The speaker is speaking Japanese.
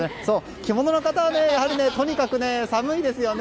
着物の方はとにかく寒いですよね。